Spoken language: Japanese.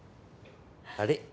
あれ？